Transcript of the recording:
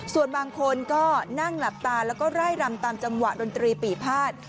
ส่วนบางคนก็นั่งหลับตาแล้วก็ไล่รำตามจังหวะดนตรีปีภาษ